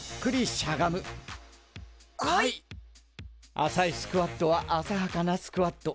浅いスクワットは浅はかなスクワット。